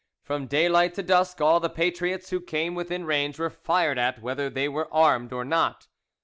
From daylight to dusk all the patriots who came within range were fired at whether they were armed or not.